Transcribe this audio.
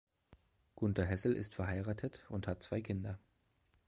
Gunther Hessel ist verheiratet und hat zwei Kinder.